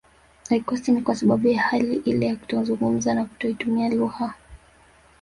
Haikosi ni kwa sababu ya hali ile ya kutozungumza na kutoitumia lugha